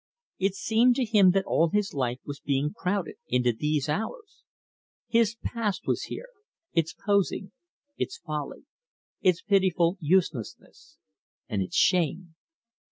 It seemed to him that all his life was being crowded into these hours. His past was here its posing, its folly, its pitiful uselessness, and its shame.